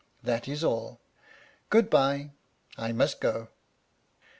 That is all. Good by! I must go."